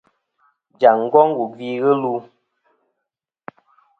Jaŋ ngong wù gvi ghɨ lu.